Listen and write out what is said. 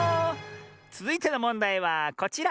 つづいてのもんだいはこちら！